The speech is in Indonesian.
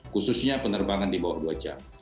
khususnya penerbangan di bawah dua jam